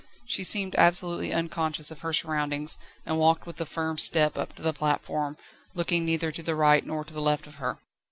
She seemed absolutely unconscious of her surroundings, and walked with a firm step up to the platform, looking neither to the right nor to the left of her.